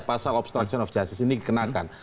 pasal obstruction of justice ini dikenakan